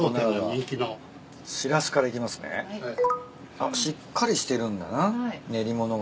あっしっかりしてるんだな練り物が。